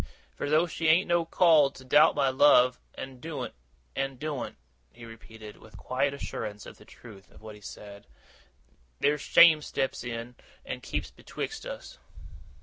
For though she ain't no call to doubt my love, and doen't and doen't,' he repeated, with a quiet assurance of the truth of what he said, 'there's shame steps in, and keeps betwixt us.